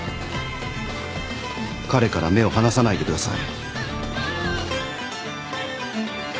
彼から目を離さないでください。